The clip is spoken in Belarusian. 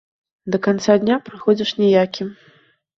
Да канца дня прыходзіш ніякі.